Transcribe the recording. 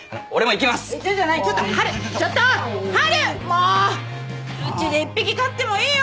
うちで１匹飼ってもいいよ。